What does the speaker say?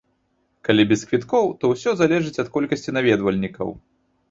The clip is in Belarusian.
Калі без квіткоў, то ўсё залежыць ад колькасці наведвальнікаў.